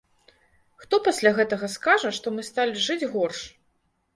Хто пасля гэтага скажа, што мы сталі жыць горш?